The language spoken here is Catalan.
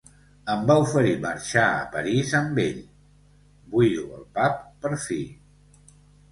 Em va oferir marxar a París amb ell –buido el pap per fi.